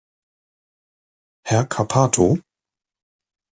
Herr Cappato!